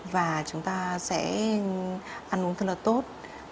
và chúng ta sẽ ăn uống rất là tốt